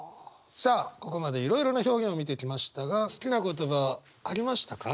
さあここまでいろいろな表現を見てきましたが好きな言葉ありましたか？